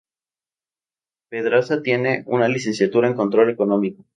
Pedraza Tiene una Licenciatura en Control Económico.